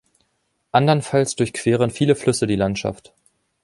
Andernfalls durchqueren viele Flüsse die Landschaft.